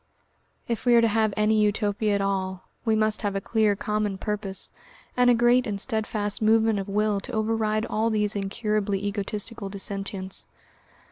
If we are to have any Utopia at all, we must have a clear common purpose, and a great and steadfast movement of will to override all these incurably egotistical dissentients.